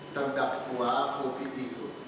terdakwa kopi itu